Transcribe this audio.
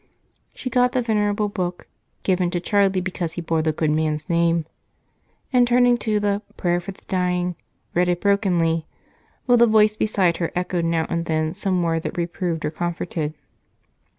She got the venerable book given to Charlie because he bore the good man's name and, turning to the "Prayer for the Dying," read it brokenly while the voice beside her echoed now and then some word that reproved or comforted.